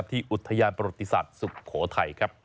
ที่อุทยาประติศาสตร์สุขโทษไทยครับ